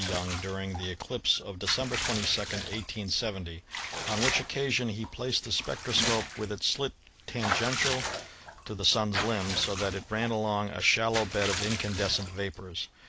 Young during the eclipse of December 22, 1870, on which occasion he placed the spec troscope with its slit tangential to the Sun's limb, so that it ran along a shallow bed of incandescent vapors.